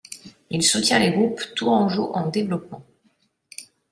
Il soutient les groupes tourangeaux en développement.